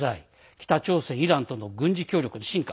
北朝鮮、イランとの軍事協力の深化